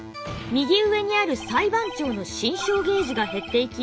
右上にある裁判長の心証ゲージが減っていき